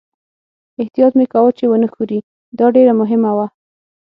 احتیاط مې کاوه چې و نه ښوري، دا ډېره مهمه وه.